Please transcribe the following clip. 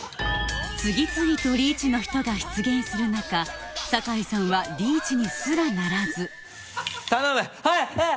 次々とリーチの人が出現する中酒井さんはリーチにすらならず頼むはいはい！